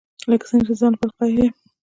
لکه څنګه چې د ځان لپاره قایل یم.